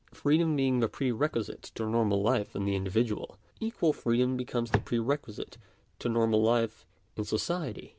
Freedom being the pre requisite to normal life in the individual, equal freedom becomes the pre requisite to normal life in society.